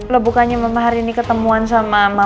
lo bukannya mama hari ini ketemuan sama mama